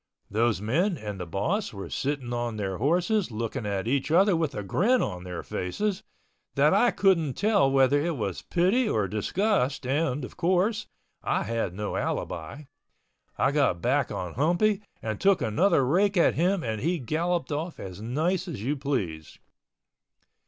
Those men and the boss were sitting on their horses looking at each other with a grin on their faces, that I couldn't tell whether it was pity or disgust and, of course, I had no alibi. I got back on Humpy and took another rake at him and he galloped off as nice as you please.